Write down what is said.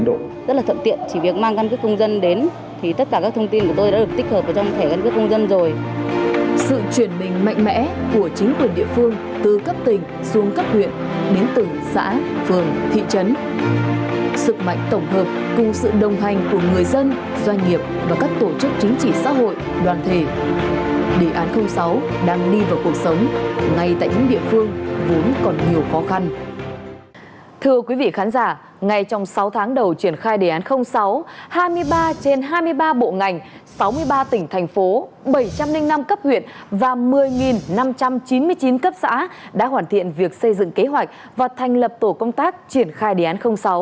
ngay trong sáu tháng đầu triển khai đề án sáu hai mươi ba trên hai mươi ba bộ ngành sáu mươi ba tỉnh thành phố bảy trăm linh năm cấp huyện và một mươi năm trăm chín mươi chín cấp xã đã hoàn thiện việc xây dựng kế hoạch và thành lập tổ công tác triển khai đề án sáu